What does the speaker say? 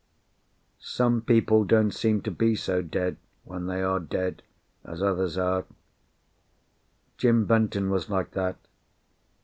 Some people don't seem to be so dead, when they are dead, as others are. Jim Benton was like that.